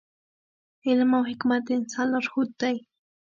علم او حکمت د انسان لارښود دی.